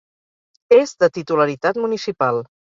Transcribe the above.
És de titularitat municipal.